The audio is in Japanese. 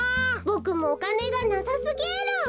ボクもおかねがなさすぎる！